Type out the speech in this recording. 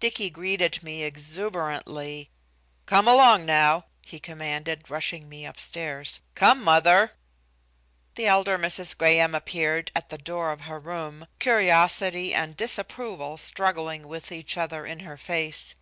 Dicky greeted me exuberantly. "Come along now," he commanded, rushing me upstairs. "Come, mother!" The elder Mrs. Graham appeared at the door of her room, curiosity and disapproval struggling with each other in her face.